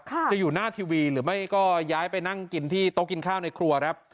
จะอยู่หน้าทีวีหรือไม่ก็ย้ายไปนั่งกินที่โต๊ะกินข้าวในครัวครับ